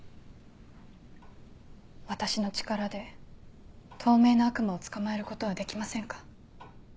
私の力で透明な悪魔を捕まえることはできませんか？